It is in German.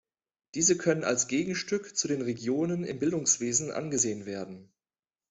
Diese können als Gegenstück zu den Regionen im Bildungswesen angesehen werden.